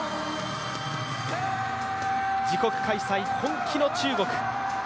自国開催、本気の中国。